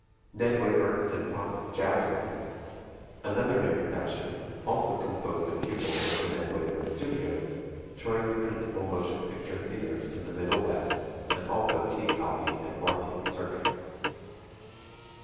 "NED WAYBURN'S SYMPHONIC JAZZ REVUE" Another new production, also composed of pupils of the Ned Wayburn Studios touring the principal motion picture theatres in the Middle West and also Keith Albee and Orpheum Circuits.